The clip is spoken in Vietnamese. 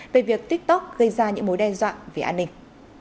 về việc tiktok gây ra những mối đe dọa về an ninh